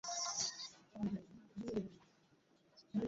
তারপরও আমি বাধা দিতে গেলে আমার কপালে চাপাতি দিয়ে কোপ দেয়।